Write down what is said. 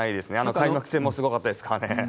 開幕戦もすごかったですからね。